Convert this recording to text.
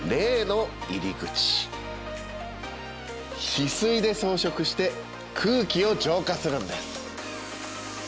翡翠で装飾して空気を浄化するんです。